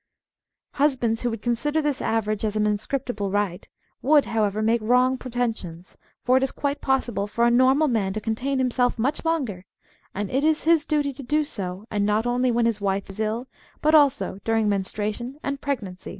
Husbands who would consider this average as an impre scriptable right would, however, make wrong pretensions, for it is quite possible for a normal man to contain himself much longer, and it is his duty to do so, not only when his wife is ill, but also during menstruation and pregnancy.